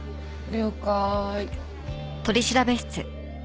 了解。